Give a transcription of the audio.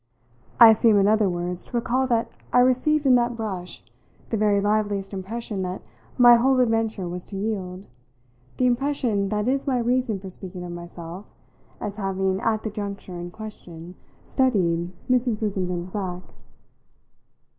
I seem in other words to recall that I received in that brush the very liveliest impression that my whole adventure was to yield the impression that is my reason for speaking of myself as having at the juncture in question "studied" Mrs. Brissenden's back.